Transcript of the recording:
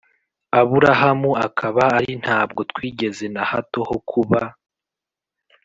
Aburahamu akaba ari ntabwo twigeze na hato ho kuba